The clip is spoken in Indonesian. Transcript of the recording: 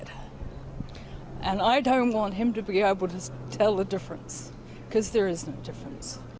dan saya tidak ingin dia bisa menjelaskan perbedaan karena tidak ada perbedaan